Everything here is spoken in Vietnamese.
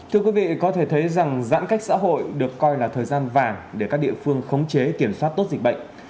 thưa quý vị có thể thấy rằng giãn cách xã hội được coi là thời gian vàng để các địa phương khống chế kiểm soát tốt dịch bệnh